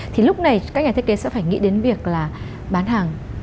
thì lúc này các nhà thiết kế sẽ phải nghĩ đến việc là bán hàng